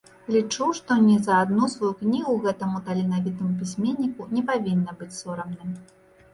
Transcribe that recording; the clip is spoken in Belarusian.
Лічу, што ні за адну сваю кнігу гэтаму таленавітаму пісьменніку не павінна быць сорамна.